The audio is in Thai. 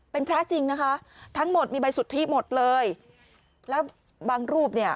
เป็นพระจริงนะคะทั้งหมดมีใบสุทธิหมดเลยแล้วบางรูปเนี่ย